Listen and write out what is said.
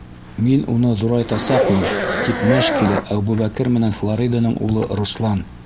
«Мин уны ҙурайтасаҡмын!» - тип мәж килә Әбүбәкер менән Флориданың улы Руслан.